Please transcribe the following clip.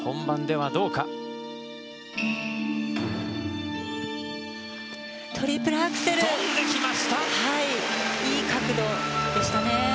はいいい角度でしたね。